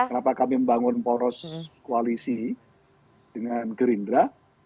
kenapa kami membangun poros koalisi dengan gerindra